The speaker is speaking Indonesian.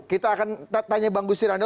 kita akan tanya bang gusir anda